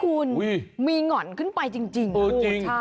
คุณมีหง่อนขึ้นไปจริงนะคุณ